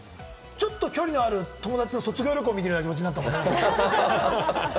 ちょっと距離のある友達の卒業旅行を見てるみたいな気持ちになった。